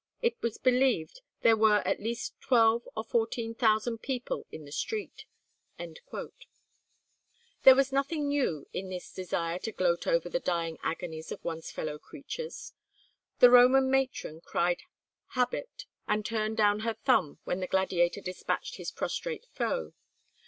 It was believed there were at least twelve or fourteen thousand people in the street." There was nothing new in this desire to gloat over the dying agonies of one's fellow creatures. The Roman matron cried "habet," and turned down her thumb when the gladiator despatched his prostrate foe.